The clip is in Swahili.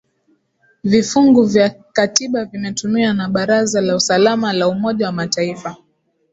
vifungu vya katiba vimetumiwa na baraza la usalama la umoja wa mataifa